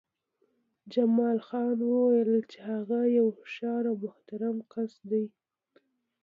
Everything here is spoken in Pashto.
جمال خان وویل چې هغه یو هوښیار او محترم کس دی